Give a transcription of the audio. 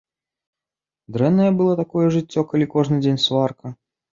Дрэннае было такое жыццё, калі кожны дзень сварка?